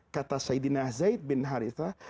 kata saidina zaid bin harithah